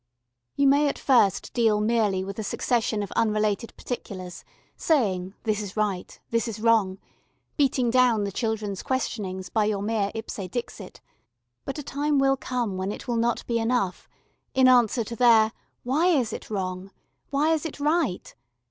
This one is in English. You may at first deal merely with a succession of unrelated particulars, saying, "This is right," "This is wrong," beating down the children's questionings by your mere Ipse dixit; but a time will come when it will not be enough, in answer to their "Why is it wrong?" "Why is it right?"